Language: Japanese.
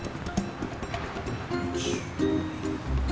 １２。